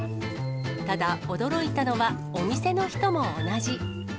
ただ、驚いたのはお店の人も同じ。